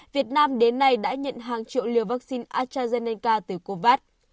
việt nam đến nay đã nhận hàng triệu liều vaccine astrazeneca từ covax